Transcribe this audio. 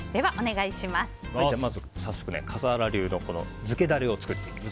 まず、笠原流の漬けダレを作っていきます。